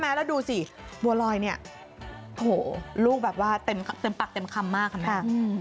แล้วดูสิบัวลอยเนี่ยโถลูกแบบว่าเต็มปากเต็มคำมากค่ะแม่